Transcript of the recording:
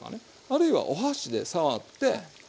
あるいはお箸で触って。